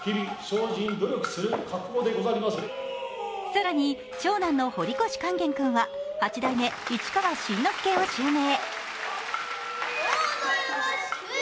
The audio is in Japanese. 更に長男の堀越勸玄君は、八代目市川新之助を襲名。